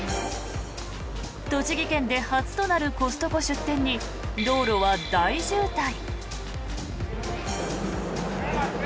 栃木県で初となるコストコ出店に道路は大渋滞。